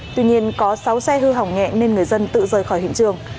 tuy nhiên có sáu xe hư hỏng nhẹ nên người dân tự rời khỏi hiện trường